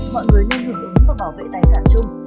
mọi người nên hưởng ứng và bảo vệ tài sản chung